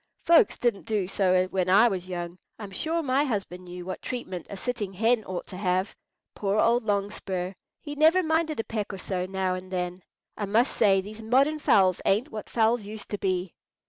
Folks didn't do so when I was young. I'm sure my husband knew what treatment a sitting hen ought to have,—poor old Long Spur! he never minded a peck or so and then. I must say these modern fowls ain't what fowls used to be."